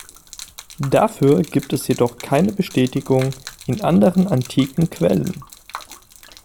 Dafür gibt es jedoch keine Bestätigung in anderen antiken Quellen.